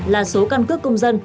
là số căn cước công dân